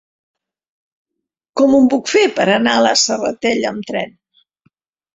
Com ho puc fer per anar a la Serratella amb tren?